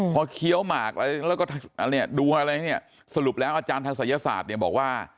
พอเคี้ยวหมากอะไรแล้วก็ดูอะไรเนี่ยสรุปแล้วอาจารย์ทางศัยศาสตร์เนี่ยบอกว่า